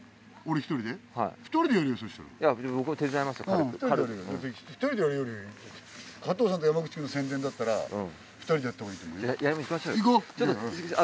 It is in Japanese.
１人でやるより『加藤さんと山口くん』の宣伝だったら２人でやった方がいいと思う。